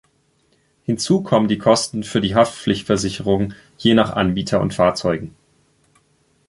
Hinzu kommen die Kosten für die Haftpflichtversicherung je nach Anbieter und Fahrzeugen.